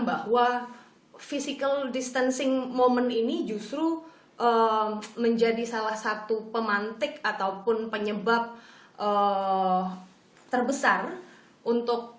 bahwa physical distancing moment ini justru menjadi salah satu pemantik ataupun penyebab terbesar untuk